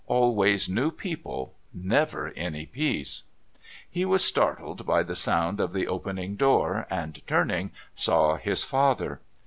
Always new people. Never any peace. He was startled by the sound of the opening door, and, turning, saw his father.